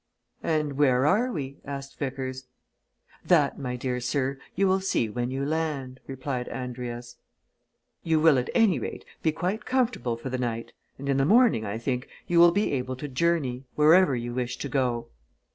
"And where are we?" asked Vickers. "That, my dear sir, you will see when you land." replied Andrius. "You will, at any rate, be quite comfortable for the night, and in the morning, I think, you will be able to journey wherever you wish to go to."